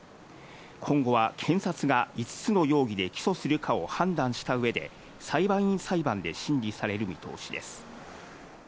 今後は検察が５つの容疑で起訴するかを判断したうえで、裁判員裁判で審理される見通しです。